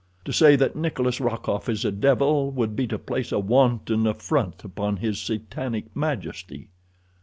To say that Nikolas Rokoff is a devil would be to place a wanton affront upon his satanic majesty."